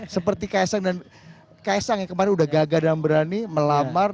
seperti ks ang dan ks ang yang kemarin udah gagah dan berani melamar